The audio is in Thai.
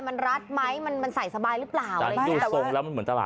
มันรัดไหมมันใส่สบายหรือเปล่า